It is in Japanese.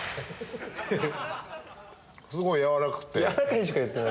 すごい軟らかくて。